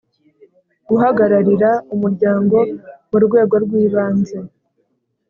Guhagararira umuryango mu rwego rwibanze